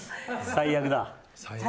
最悪だ。